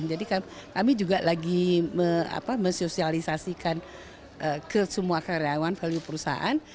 jadi kami juga lagi mesosialisasikan ke semua karyawan value perusahaan